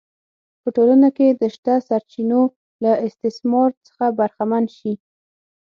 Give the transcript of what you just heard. په ټولنه کې د شته سرچینو له استثمار څخه برخمن شي